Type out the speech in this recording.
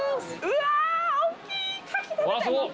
うわ大っきい！